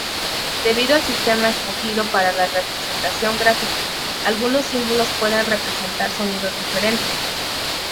Debido al sistema escogido para la representación gráfico, algunos símbolos pueden representar sonidos diferentes.